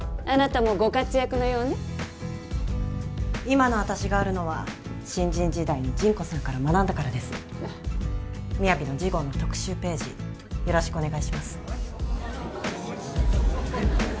あなたもご活躍のようね今の私があるのは新人時代にジンコさんから学んだからです「ＭＩＹＡＶＩ」の次号の特集ページよろしくお願いします